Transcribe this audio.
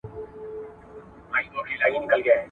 د غاښونو پاکوالی د خولې د روغتیا لپاره مهم دی.